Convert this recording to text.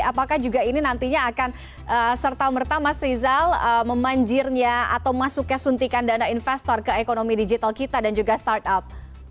apakah juga ini nantinya akan serta merta mas rizal memanjirnya atau masuknya suntikan dana investor ke ekonomi digital kita dan juga startup